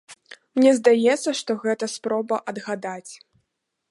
Мне здаецца, што гэта спроба адгадаць.